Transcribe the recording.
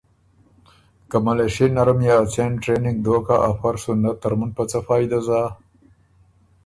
که ملېشئے نرم يې که ا څېن ټرېننګ دوک هۀ افۀ ر سُو نۀ ترمُن په څۀ فائدۀ زا